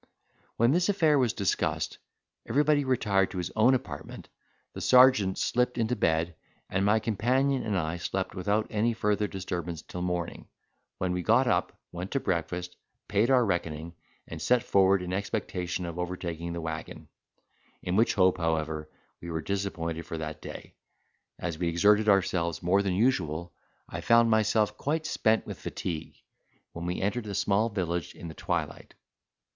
When this affair was discussed, everybody retired to his own apartment, the sergeant slipped into bed, and my companion and I slept without any further disturbance till morning, when we got up, went to breakfast, paid our reckoning, and set forward in expectation of overtaking the waggon; in which hope, however, we were disappointed for that day. As we exerted ourselves more than usual, I found myself quite spent with fatigue, when we entered a small village in the twilight.